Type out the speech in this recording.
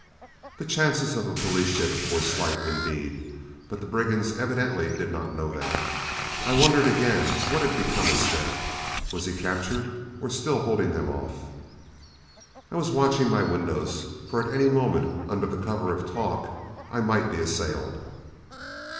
The chances of a police ship were slight indeed, but the brigands evidently did not know that. I wondered again what had become of Snap. Was he captured or still holding them off? I was watching my windows; for at any moment, under the cover of talk, I might be assailed.